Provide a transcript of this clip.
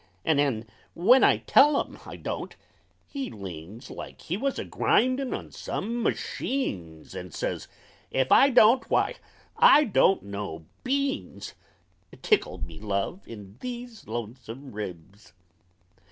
An' nen when I tell him I don't, he leans Like he was a grindin' on some machines An' says: Ef I don't, w'y, I don't know beans! Tickle me, Love, in these Lonesome Ribs!